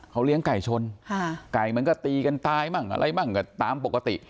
เขาเลี้ยงไก่ชนไก่มันก็ตีกันตายมั่งอะไรมั่งก็ตามปกติ